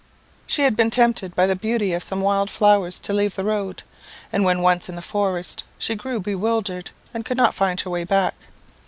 "She had been tempted by the beauty of some wild flowers to leave the road; and, when once in the forest, she grew bewildered, and could not find her way back.